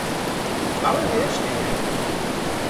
Małe wyjaśnienie